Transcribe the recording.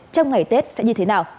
trong ngày tết sẽ như thế nào